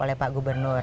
oleh pak gubernur